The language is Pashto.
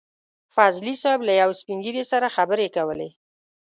فضلي صیب له يو سپين ږيري سره خبرې کولې.